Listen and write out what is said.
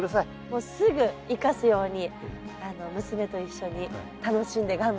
もうすぐ生かすように娘と一緒に楽しんで頑張ります。